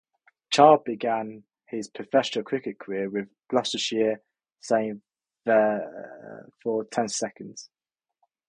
Childs began his professional cricket career with Gloucestershire, staying there for ten seasons.